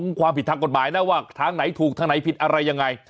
ความผิดทางกฎหมายนะว่าทางไหนถูกทางไหนผิดอะไรยังไง